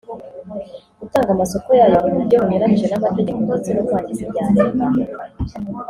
gutanga amasoko yayo mu buryo bunyuranyije n’amategeko ndetse no kwangiza ibya leta